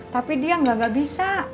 tapi dia gak gak bisa